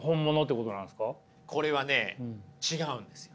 これはね違うんですよ。